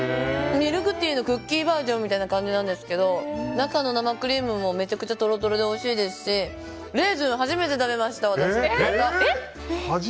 ミルクティーのクッキーバージョンみたいな感じなんですけど中の生クリームもめちゃくちゃトロトロでおいしいですしレーズン初めて食べました私！